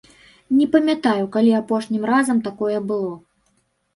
Не памятаю, калі апошнім разам такое было.